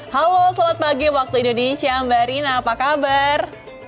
halo selamat pagi waktu indonesia mbak rina apa kabar